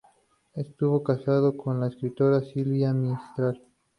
Estuvo casado con la escritora Silvia Mistral.